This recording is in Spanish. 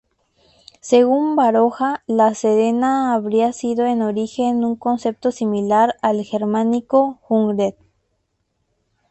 Según Baroja la cendea habría sido en origen un concepto similar al germánico "hundred".